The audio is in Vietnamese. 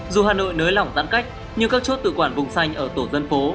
dù hà nội nới lỏng giãn cách nhưng các chốt tự quản vùng xanh ở tổ dân phố